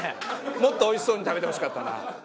もっとおいしそうに食べてほしかったな。